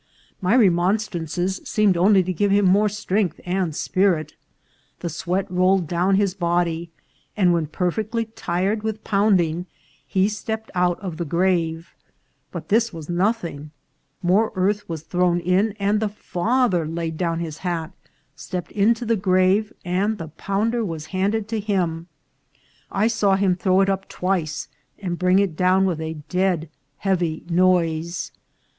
My re monstrances seemed onfy^o give him more strength and spirit. The sweat rolled down his body, and when perfectly tired with pounding he stepped out of the grave. But this was nothing. More earth was thrown in, and the father laid down his hat, stepped into the grave, and the pounder was handed to him. I saw him throw it up twice and bring it down with a dead, heavy noise.